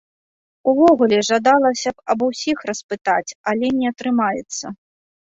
Увогуле, жадалася б аб усіх распытаць, але не атрымаецца.